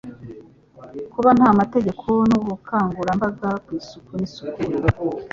Kuba nta mategeko n'ubukangurambaga ku isuku n'isukura